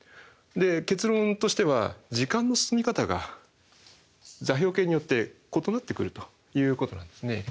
結論としては時間の進み方が座標系によって異なってくるということなんですね。